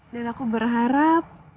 dan aku berharap